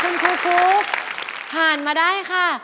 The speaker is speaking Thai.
คุณครูฟุ๊กผ่านมาได้ค่ะ